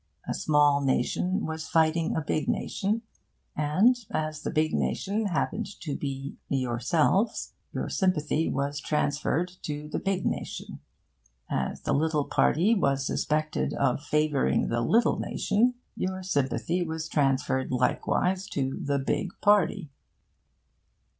A small nation was fighting a big nation, and, as the big nation happened to be yourselves, your sympathy was transferred to the big nation. As the little party was suspected of favouring the little nation, your sympathy was transferred likewise to the big party.